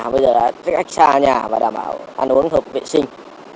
bây giờ là cách xa nhà và đảm bảo ăn uống hợp vệ sinh